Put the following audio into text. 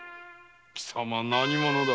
貴様は何者だ？